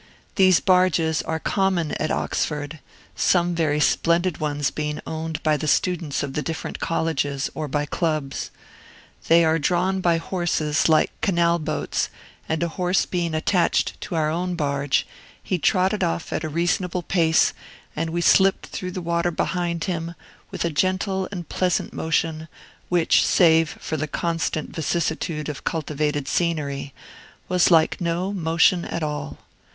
These barges are common at Oxford, some very splendid ones being owned by the students of the different colleges, or by clubs. They are drawn by horses, like canal boats; and a horse being attached to our own barge, he trotted off at a reasonable pace, and we slipped through the water behind him, with a gentle and pleasant motion, which, save for the constant vicissitude of cultivated scenery, was like no motion at all.